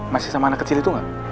masih sama anak kecil itu nggak